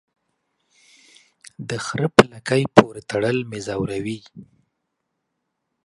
د خره په لکۍ پوري تړل مې زوروي.